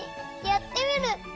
やってみる！